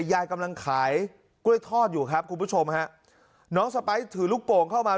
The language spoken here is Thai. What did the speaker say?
ยายกำลังขายกล้วยทอดอยู่ครับคุณผู้ชมฮะน้องสไปร์ถือลูกโป่งเข้ามา